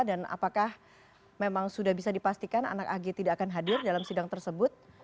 dan apakah memang sudah bisa dipastikan anak ag tidak akan hadir dalam sidang tersebut